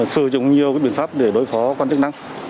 sử dụng nhiều biện pháp để đối phó quan chức năng